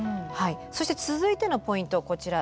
そして続いてのポイントはこちら。